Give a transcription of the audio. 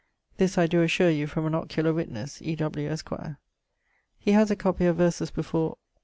This I doe assure you from an ocular witnesse, E. W. esq. He haz a copie of verses before